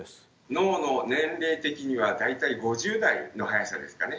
脳の年齢的には大体５０代の速さですかね。